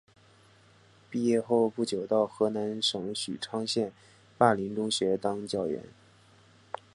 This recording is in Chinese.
毕业后不久到河南省许昌县灞陵中学当教员。